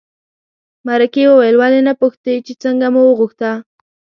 مرکې وویل ولې نه پوښتې چې څنګه مو وغوښته.